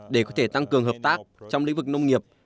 để có thể tăng cường hợp tác trong lĩnh vực nông nghiệp